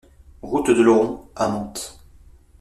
Route de l'Oron à Manthes